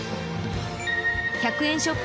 １００円ショップ